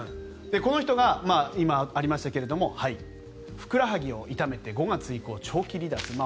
この人が今、ありましたがふくらはぎを痛めて５月以降、長期離脱。